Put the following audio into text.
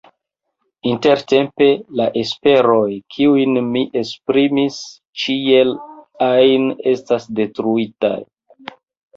Intertempe la esperoj, kiujn mi esprimis, ĉiel ajn estas detruitaj.